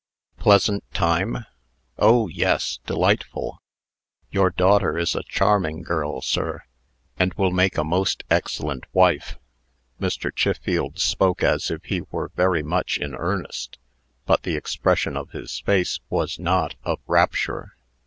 "Pleasant time? Oh! yes delightful! Your daughter is a charming girl, sir, and will make a most excellent wife." Mr. Chiffield spoke as if he were very much in earnest, but the expression of his face was not of rapture.